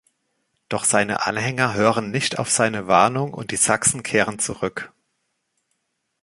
Doch seine Anhänger hören nicht auf seine Warnung, und die Sachsen kehren zurück.